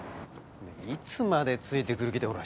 いつまでついてくる気だよ。